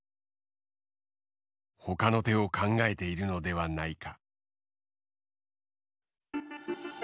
ほかの手を考えているのではないか。